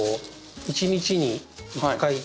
１日に１回。